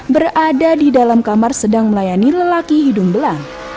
berada di dalam kamar sedang melayani lelaki hidung belang